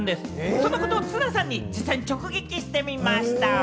そのことを綱さんに実際に直撃してみました。